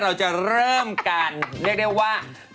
เราจะเริ่มการเรียกได้ว่า